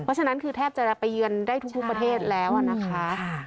เพราะฉะนั้นคือแทบจะไปเยือนได้ทุกประเทศแล้วนะคะ